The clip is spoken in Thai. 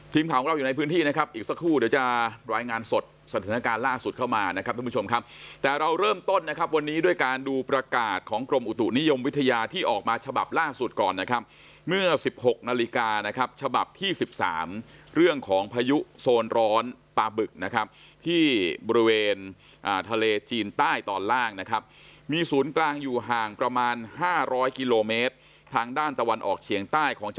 ทีมของเราอยู่ในพื้นที่นะครับอีกสักครู่เดี๋ยวจะรายงานสดสถานการณ์ล่าสุดเข้ามานะครับท่านผู้ชมครับแต่เราเริ่มต้นนะครับวันนี้ด้วยการดูประกาศของกรมอุตุนิยมวิทยาที่ออกมาฉบับล่าสุดก่อนนะครับเมื่อสิบหกนาฬิกานะครับฉบับที่สิบสามเรื่องของพยุงโซนร้อนปลาบึกนะครับที่บริเวณอ่าทะเลจีนใต้ตอน